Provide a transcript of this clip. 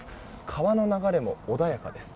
川の流れも穏やかです。